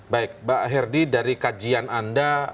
baik mbak herdi dari kajian anda